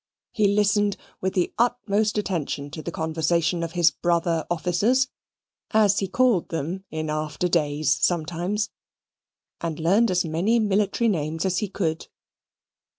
He listened with the utmost attention to the conversation of his brother officers (as he called them in after days sometimes), and learned as many military names as he could.